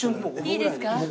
いいですか？